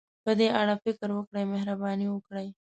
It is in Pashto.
په دې اړه فکر وکړئ، مهرباني وکړئ.